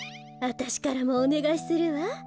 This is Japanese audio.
あたしからもおねがいするわ。